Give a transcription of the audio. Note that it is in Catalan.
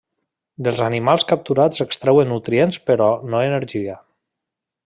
Dels animals capturats extreuen nutrients però no energia.